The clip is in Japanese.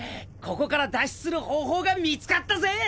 ここから脱出する方法が見つかったぜ！